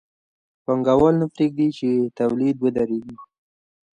پانګوال نه پرېږدي چې تولید ودرېږي